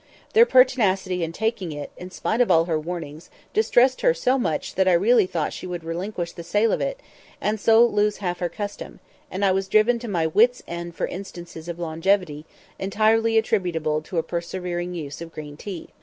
Their pertinacity in taking it, in spite of all her warnings, distressed her so much that I really thought she would relinquish the sale of it, and so lose half her custom; and I was driven to my wits' end for instances of longevity entirely attributable to a persevering use of green tea.